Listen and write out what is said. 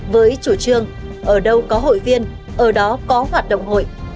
với chủ trương ở đâu có hội viên ở đó có hoạt động hội